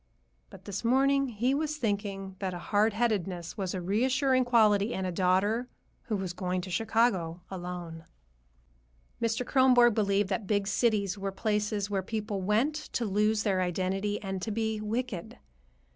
But this morning he was thinking that hard headedness was a reassuring quality in a daughter who was going to Chicago alone. Mr. Kronborg believed that big cities were places where people went to lose their identity and to be wicked.